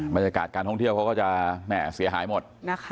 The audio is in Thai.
บรรยากาศการท่องเที่ยวเขาก็จะเสียหายหมด